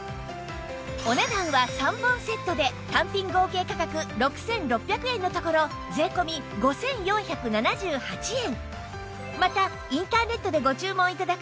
お値段は３本セットで単品合計価格６６００円のところ税込５４７８円